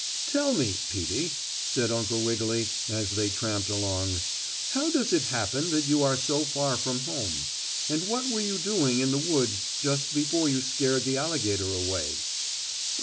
"Tell me, Peetie," said Uncle Wiggily, as they tramped along, "how does it happen that you are so far from home; and what were you doing in the woods just before you scared the alligator away?"